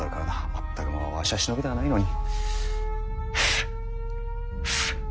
全くもうわしは忍びではないのに。